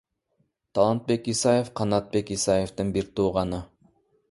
Талантбек Исаев — Канатбек Исаевдин бир тууганы.